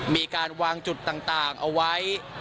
มีการวางจุดต่างเอาไว้